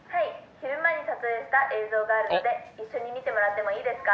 昼間に撮影した映像があるので一緒に見てもらってもいいですか？